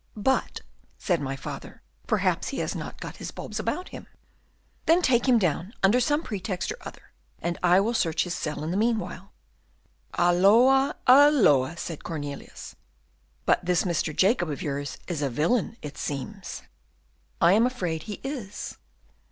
"'But,' said my father, 'perhaps he has not got his bulbs about him?' "'Then take him down, under some pretext or other and I will search his cell in the meanwhile.'" "Halloa, halloa!" said Cornelius. "But this Mr. Jacob of yours is a villain, it seems." "I am afraid he is."